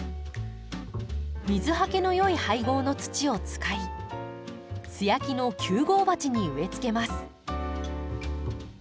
水はけの良い配合の土を使い素焼きの９号鉢に植えつけます。